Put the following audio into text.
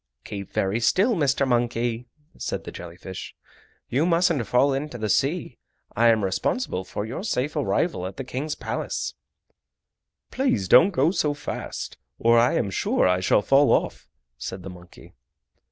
"Keep very still, Mr. monkey," said the jelly fish. "You mustn't fall into the sea; I am responsible for your safe arrival at the King's Palace." "Please don't go so fast, or I am sure I shall fall off," said the monkey.